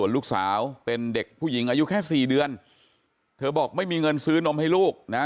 ลูกสาวเป็นเด็กผู้หญิงอายุแค่๔เดือนเธอบอกไม่มีเงินซื้อนมให้ลูกนะ